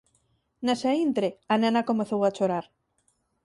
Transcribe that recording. Nese intre, a nena comezou a chorar.